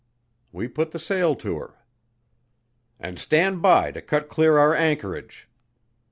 We put the sail to her. "And stand by to cut clear our anchorage!"